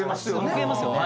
増えますよね。